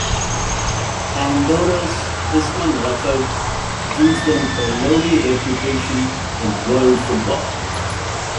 Andorra's dismal record gives them a lowly reputation in world football.